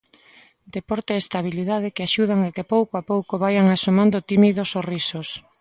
Deporte e estabilidade que axudan a que pouco a pouco vaian asomando tímidos sorrisos...